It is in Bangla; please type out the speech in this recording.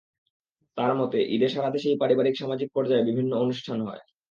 তাঁর মতে, ঈদে সারা দেশেই পারিবারিক, সামাজিক পর্যায়ে বিভিন্ন অনুষ্ঠান হয়।